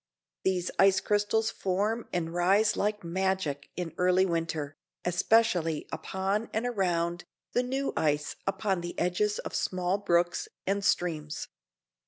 These ice crystals form and rise like magic in early winter, especially upon and around the new ice upon the edges of small brooks, and streams.